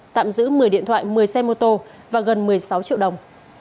tạm giữ một mươi điện thoại một mươi xe mô tô và gần một mươi sáu triệu đồng